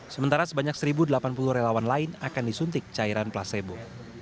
sementara sebanyak satu delapan puluh relawan lain akan disuntik cairan placebo